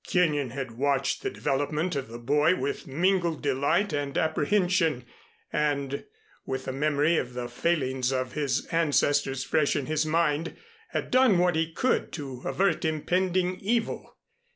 Kenyon had watched the development of the boy with mingled delight and apprehension and, with the memory of the failings of his ancestors fresh in his mind, had done what he could to avert impending evil.